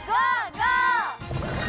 ゴー！